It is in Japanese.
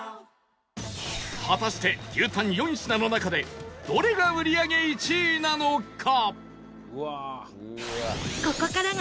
果たして牛たん４品の中でどれが売り上げ１位なのか？